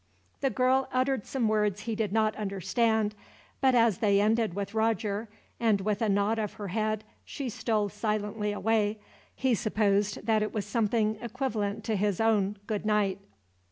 The girl uttered some words he did not understand; but as they ended with Roger, and with a nod of her head she stole silently away, he supposed that it was something equivalent to his own "Goodnight."